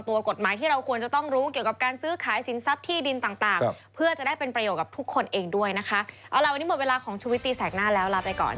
เวลาของชุวิตตีแสกหน้าแล้วลาไปก่อน